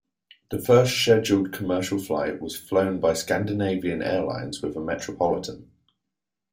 The first scheduled commercial flight was flown by Scandinavian Airlines with a Metropolitan.